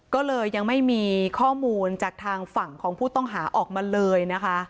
ก็เลยยังไม่มีข้อมูลจากทางฝั่งของผู้ต้องหาออกมาเลยนะคะ